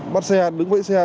bắt xe đứng vẫy xe